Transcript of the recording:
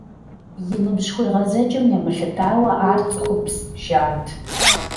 И ныбжь хуегъэзэкӀым емылъытауэ ар цӏыхубз жант.